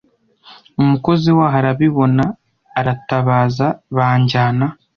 umukozi waho arabibona aratabaza banjyana